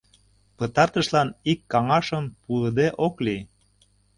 Пытартышлан ик каҥашым пуыде ок лий.